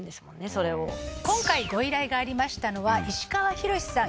それを今回ご依頼がありましたのは石川浩さん